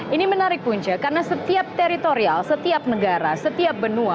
ini menarik punca karena setiap teritorial setiap negara setiap benua